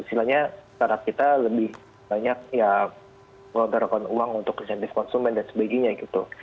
sebenarnya syarat kita lebih banyak ya mengeluarkan uang untuk konsumen dan sebagainya gitu